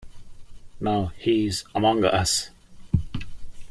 Now he is among us.